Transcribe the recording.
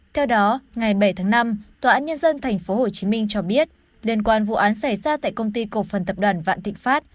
theo đó ngày bảy tháng năm tòa án nhân dân tp hcm cho biết liên quan vụ án xảy ra tại công ty cổ phần tập đoàn vạn thịnh pháp